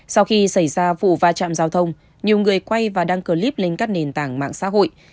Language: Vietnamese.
sau khi xảy ra vụ va chạm giao thông nhiều người quay và đăng clip lên các nền tảng mạng xã hội